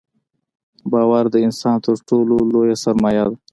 • باور د انسان تر ټولو لوی سرمایه ده.